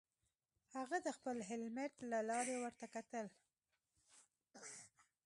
هغه د خپل هیلمټ له لارې ورته وکتل